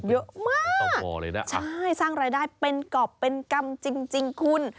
เยอะมากสร้างรายได้เป็นกรอบเป็นกรรมจริงคุณ